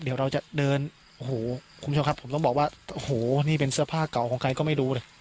เดี๋ยวเราจะเดินโอ้โหคุณผู้ชมครับผมต้องบอกว่าโอ้โหนี่เป็นเสื้อผ้าเก่าของใครก็ไม่รู้เลย